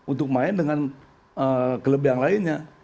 untuk main dengan klub yang lainnya